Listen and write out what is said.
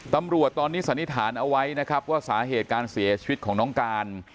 ตำรวจตอนนี้สันนิษฐานเอาไว้นะครับว่าสาเหตุการเสียชีวิตของน้องการ